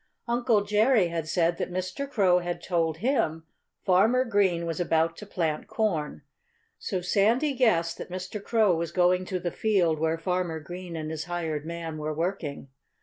Uncle Jerry had said that Mr. Crow had told him Farmer Green was about to plant corn. So Sandy guessed that Mr. Crow was going to the field where Farmer Green and his hired man were working.